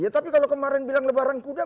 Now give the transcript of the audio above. tapi kalau kemarin bilang lebaran kuda